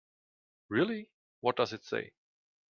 Really, what does it say?